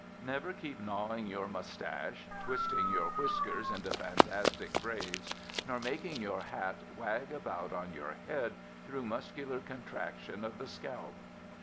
Never keep gnawing your mustache, twisting your whiskers into fantastic braids, nor making your hat wag about on your head through muscular contraction of the scalp.